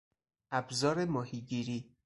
ابزار ماهی گیری